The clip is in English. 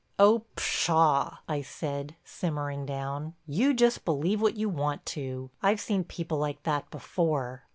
"Oh, pshaw!" I said, simmering down, "you just believe what you want to. I've seen people like that before."